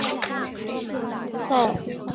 宋敬舆人。